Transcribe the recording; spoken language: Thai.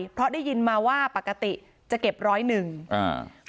เพราะได้ยินมาว่าปกติจะเก็บร้อยหนึ่งอ่า